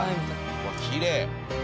うわっきれい！